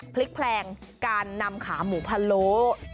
พลิกแพลงการนำขาหมูพะโล